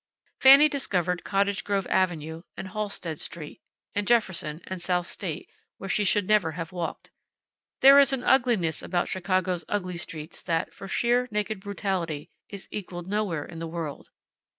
Fanny discovered Cottage Grove avenue, and Halsted street, and Jefferson, and South State, where she should never have walked. There is an ugliness about Chicago's ugly streets that, for sheer, naked brutality, is equaled nowhere in the world.